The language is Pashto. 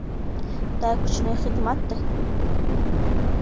دا یو کوچنی خدمت دی.